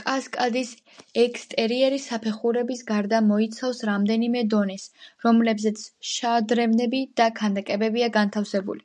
კასკადის ექსტერიერი საფეხურების გარდა მოიცავს რამდენიმე დონეს, რომლებზეც შადრევნები და ქანდაკებებია განთავსებული.